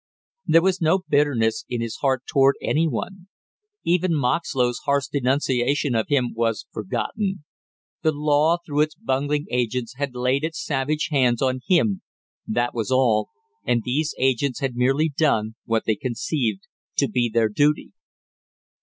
There was no bitterness in his heart toward any one, even Moxlow's harsh denunciation of him was forgotten; the law through its bungling agents had laid its savage hands on him, that was all, and these agents had merely done what they conceived to be their duty.